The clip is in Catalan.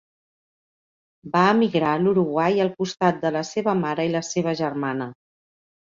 Va emigrar a l'Uruguai al costat de la seva mare i de la seva germana.